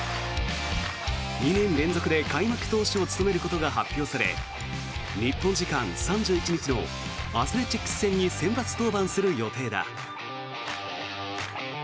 ２年連続で開幕投手を務めることが発表され日本時間３１日のアスレチックス戦に先発登板する予定だ。